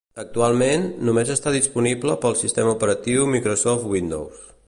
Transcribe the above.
Actualment, només està disponible pel sistema operatiu Microsoft Windows.